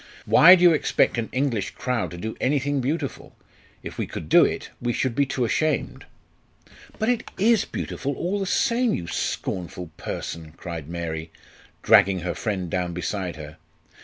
"Why do you expect an English crowd to do anything beautiful? If we could do it, we should be too ashamed." "But it is beautiful, all the same, you scornful person!" cried Mary, dragging her friend down beside her.